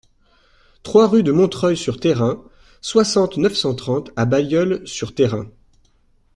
trois rue de Montreuil sur Thérain, soixante, neuf cent trente à Bailleul-sur-Thérain